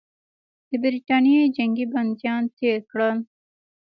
د برټانیې جنګي بندیان تېر کړل.